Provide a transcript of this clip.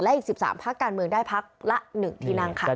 อีก๑๓พักการเมืองได้พักละ๑ที่นั่งค่ะ